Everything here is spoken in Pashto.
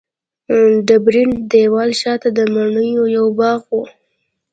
ډبرین دېوال شاته د مڼو یو باغ و.